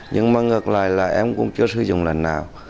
nhưng mà ngược lại là em cũng chưa sử dụng lần nào